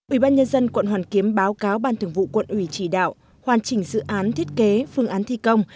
ủy ban nhân dân quận hoàn kiếm báo cáo ban thường vụ quận ủy chỉ đạo hoàn chỉnh dự án thiết kế phương án thi công